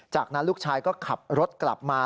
จากนั้นลูกชายก็ขับรถกลับมา